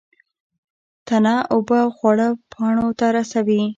تنه اوبه او خواړه پاڼو ته رسوي